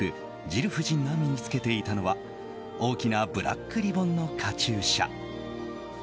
ジル夫人が身に着けていたのは大きなブラックリボンのカチューシャ。